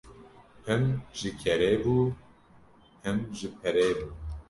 Him ji kerê bû him ji perê bû.